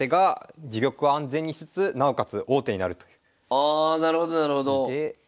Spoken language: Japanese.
ああなるほどなるほど。